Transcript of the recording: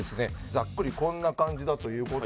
ざっくりこんな感じだという事で。